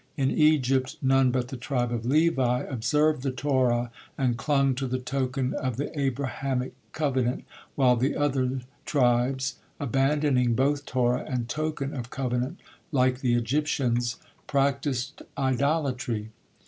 In Egypt none but the tribe of Levi observed the Torah and clung to the token of the Abrahamic covenant, while the others tribes, abandoning both Torah and token of covenant, like the Egyptians, practiced idolatry.